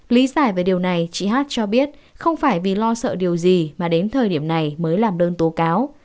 lý giải về điều này chị hát cho biết không phải vì lo sợ điều gì mà đến thời điểm này mới làm đơn tố cáo